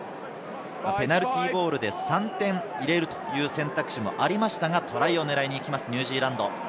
ペナルティーゴールで３点入れるという選択肢もありましたが、トライを狙いにいきます、ニュージーランド。